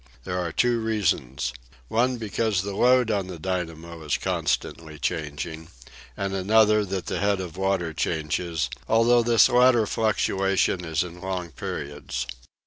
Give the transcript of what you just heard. There are two reasons one because the load on the dynamo is constantly changing, and another that the head of water changes, although this latter fluctuation is in long periods.